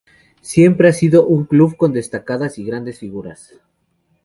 Siempre ha sido un club con destacadas y grandes figuras.